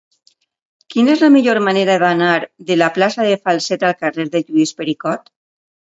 Quina és la millor manera d'anar de la plaça de Falset al carrer de Lluís Pericot?